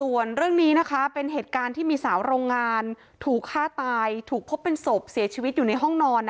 ส่วนเรื่องนี้นะคะเป็นเหตุการณ์ที่มีสาวโรงงานถูกฆ่าตายถูกพบเป็นศพเสียชีวิตอยู่ในห้องนอน